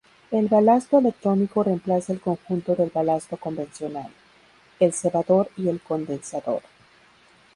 El balasto electrónico reemplaza el conjunto del balasto convencional, el cebador y el condensador.